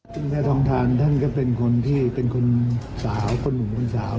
ซึ่งแพทองทานท่านก็เป็นคนที่เป็นคนสาวคนหนุ่มคนสาว